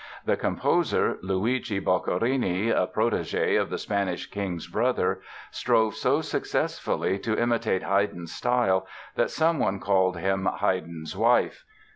The composer, Luigi Boccherini, a protégé of the Spanish king's brother, strove so successfully to imitate Haydn's style that someone called him "Haydn's wife".